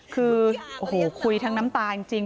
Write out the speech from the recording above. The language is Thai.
คือโอ้โหคุยทั้งน้ำตาจริง